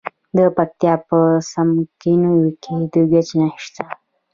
د پکتیا په څمکنیو کې د ګچ نښې شته.